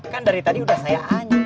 kan dari tadi udah saya anya